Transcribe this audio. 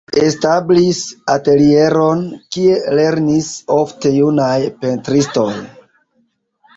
Li establis atelieron, kie lernis ofte junaj pentristoj.